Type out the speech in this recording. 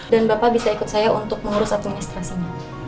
bapak bisa ikut saya untuk mengurus administrasinya